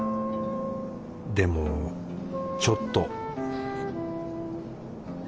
でもちょっと